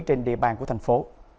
trên địa bàn của thành phố